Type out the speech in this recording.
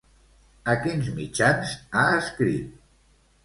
A quins mitjans ha escrit?